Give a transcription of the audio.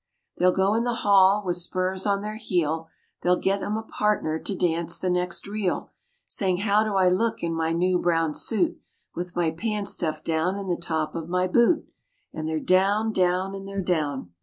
They'll go in the hall with spurs on their heel, They'll get them a partner to dance the next reel, Saying, "How do I look in my new brown suit, With my pants stuffed down in the top of my boot?" And they're down, down, and they're down.